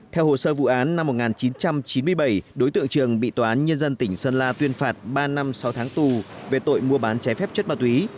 theo hồ sơ vụ án năm một nghìn chín trăm chín mươi bảy đối tượng trường bị tòa án nhân dân tỉnh sơn la tuyên phạt ba năm sáu tháng tù về tội mua bán trái phép chất ma túy